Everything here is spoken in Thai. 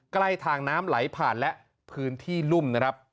ใกล้ทางน้ำไหลผ่านและพื้นที่รุ่มนะครับ